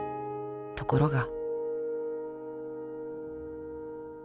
ところが］